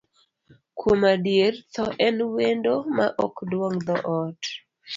Kuom adier, thoo en wendo maok duong' dhoot.